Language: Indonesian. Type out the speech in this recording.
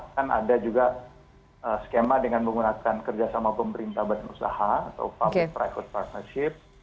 kan ada juga skema dengan menggunakan kerjasama pemerintah badan usaha atau public private partnership